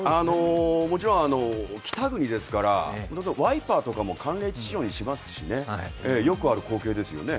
もちろん北国ですから、ワイパーとかも寒冷地仕様にしますしねよくある光景ですよね。